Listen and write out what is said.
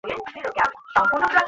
কীভাবে যাবো এখন?